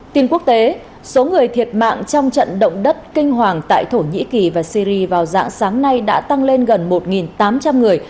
tin quốc tế số người thiệt mạng trong trận động đất kinh hoàng tại thổ nhĩ kỳ và syri vào dạng sáng nay đã tăng lên gần một tám trăm linh người